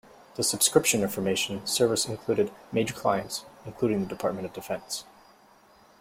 The subscription information service included major clients including the Department of Defense.